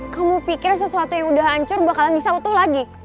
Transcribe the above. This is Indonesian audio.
kamu pikir sesuatu yang udah hancur bakalan bisa utuh lagi